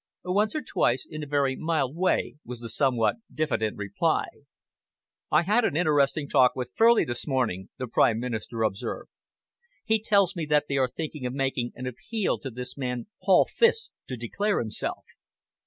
"Once or twice, in a very mild way," was the somewhat diffident reply. "I had an interesting talk with Furley this morning," the Prime Minister observed. "He tells me that they are thinking of making an appeal to this man Paul Fiske to declare himself.